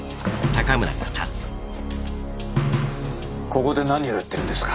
ここで何をやってるんですか？